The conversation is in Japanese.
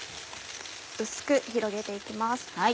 薄く広げて行きます。